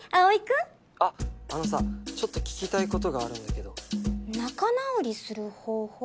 あっあのさちょっと聞きたいことがあるんだけど仲直りする方法？